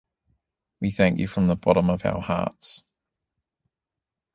We thank you from the bottom of our hearts.